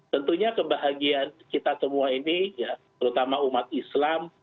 tentunya kebahagiaan kita semua ini ya terutama umat islam